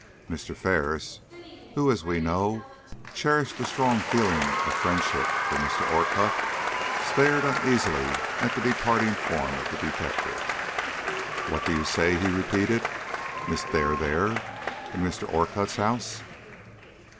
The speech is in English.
Mr. Ferris, who, as we know, cherished a strong feeling of friendship for Mr. Orcutt, stared uneasily at the departing form of the detective. "What do you say?" he repeated. "Miss Dare there, in Mr. Orcutt's house?"